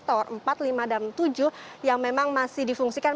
tower empat lima dan tujuh yang memang masih difungsikan